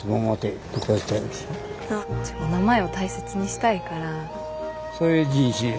お名前を大切にしたいから。